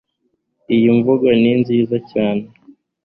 iyi nvungo ni nziza cyane